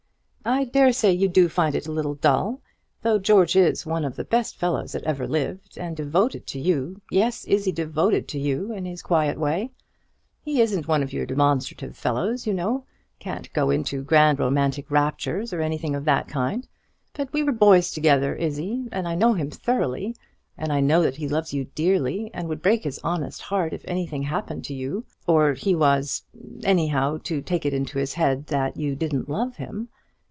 "I dare say you do find it a little dull, though George is one of the best fellows that ever lived, and devoted to you; yes, Izzie, devoted to you, in his quiet way. He isn't one of your demonstrative fellows, you know; can't go into grand romantic raptures, or anything of that kind. But we were boys together, Izzie, and I know him thoroughly: and I know that he loves you dearly, and would break his honest heart if anything happened to you; or he was anyhow to take it into his head that you didn't love him.